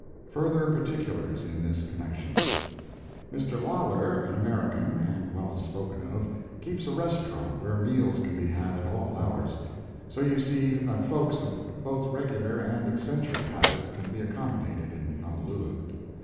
FURTHER PARTICULARS IN THIS CONNECTION Mr. Laller, an American, and well spoken of, keeps a restaurant where meals can be had at all hours. So you see that folks of both regular and eccentric habits can be accommodated in Honolulu.